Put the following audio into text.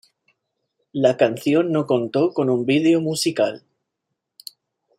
La canción no contó con un vídeo musical.